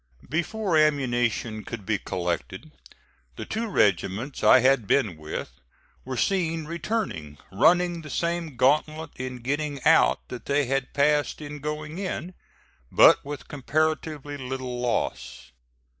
Before ammunition could be collected, the two regiments I had been with were seen returning, running the same gauntlet in getting out that they had passed in going in, but with comparatively little loss.